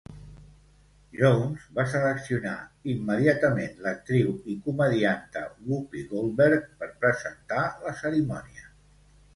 Jones va seleccionar immediatament l'actriu i comedianta Whoopi Goldberg per presentar la cerimònia.